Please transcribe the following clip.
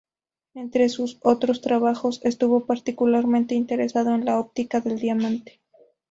Entre sus otros trabajos, estuvo particularmente interesado en la óptica del diamante.